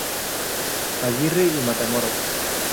Aguirre y Matamoros.